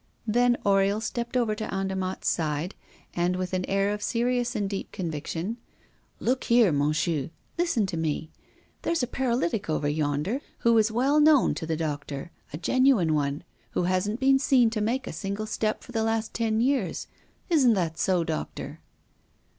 Then Oriol stepped over to Andermatt's side, and with an air of serious and deep conviction: "Look here, Monchieu! Listen to me. There's a paralytic over yonder, who is well known to the doctor, a genuine one, who hasn't been seen to make a single step for the last ten years. Isn't that so, doctor?"